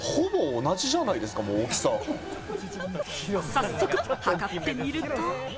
早速、測ってみると。